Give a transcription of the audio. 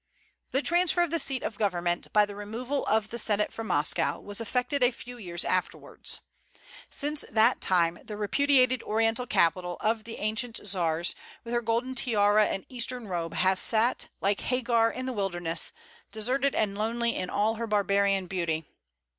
"The transfer of the seat of government, by the removal of the senate from Moscow, was effected a few years afterwards. Since that time, the repudiated Oriental capital of the ancient Czars, with her golden tiara and Eastern robe, has sat, like Hagar in the wilderness, deserted and lonely in all her barbarian beauty.